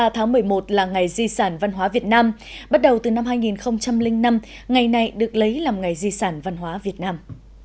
hai mươi tháng một mươi một là ngày di sản văn hóa việt nam bắt đầu từ năm hai nghìn năm ngày này được lấy làm ngày di sản văn hóa việt nam